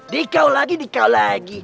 dikau lagi dikau lagi